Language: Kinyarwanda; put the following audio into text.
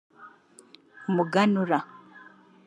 umuganura